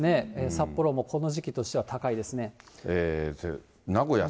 札幌もこの時期としては高いですね。